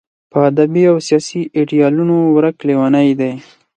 په ادبي او سیاسي ایډیالونو ورک لېونی دی.